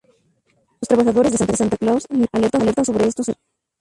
Los trabajadores de Santa Claus le alertan sobre estos eventos.